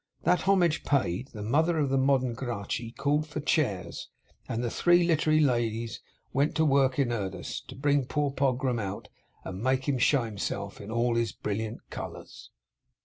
That homage paid, the mother of the modern Gracchi called for chairs, and the three literary ladies went to work in earnest, to bring poor Pogram out, and make him show himself in all his brilliant colours.